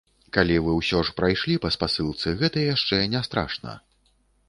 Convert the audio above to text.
Калі вы ўсё ж прайшлі па спасылцы, гэта яшчэ не страшна.